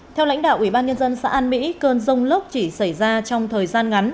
theo lãnh đạo ủy ban nhân dân xã an mỹ cơn rông lốc chỉ xảy ra trong thời gian ngắn